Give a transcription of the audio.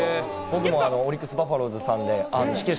オリックス・バファローズさんで始球式。